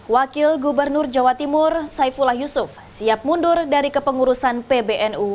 wakil gubernur jawa timur saifullah yusuf siap mundur dari kepengurusan pbnu